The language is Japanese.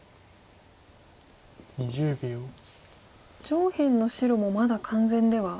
上辺の白もまだ完全では。